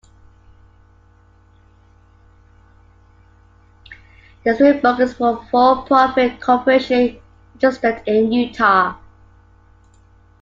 Deseret Book is a for-profit corporation registered in Utah.